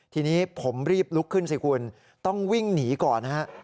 ทีนี้ผมรีบลุกขึ้นสิคุณต้องวิ่งหนีก่อนนะฮะ